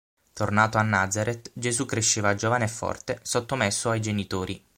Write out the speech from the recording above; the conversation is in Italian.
Tornato a Nazaret, Gesù cresceva giovane e forte, sottomesso ai genitori.